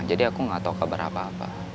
aku nggak tahu kabar apa apa